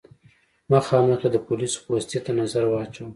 مخامخ يې د پوليسو پوستې ته نظر واچوه.